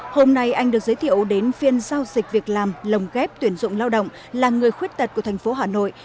hôm nay anh được giới thiệu đến phiên giao dịch việc làm lồng ghép tuyển dụng lao động là người khuyết tật của thành phố hà nội